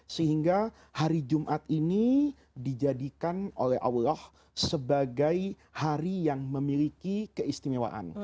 sehingga hari jumat ini dijadikan oleh allah sebagai hari yang memiliki keistimewaan